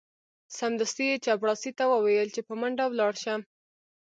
سمدستي یې چپړاسي ته وویل چې په منډه ولاړ شه.